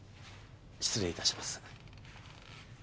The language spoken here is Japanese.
失礼いたします。